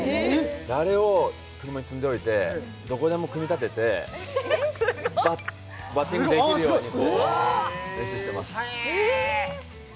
あれを車に積んでおいて、どこでも組み立ててバッティングできるように練習しています。